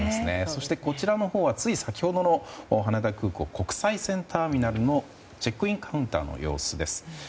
そして、こちらのほうはつい先ほどの羽田空港国際線ターミナルのチェックインカウンターの様子です。